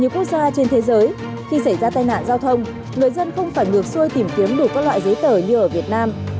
khi xảy ra tai nạn giao thông người dân không phải ngược xuôi tìm kiếm đủ các loại giấy tờ như ở việt nam